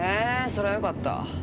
そりゃよかった。